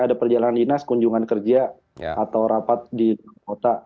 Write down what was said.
ada perjalanan dinas kunjungan kerja atau rapat di kota